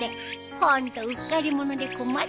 ホントうっかり者で困っちゃうよ。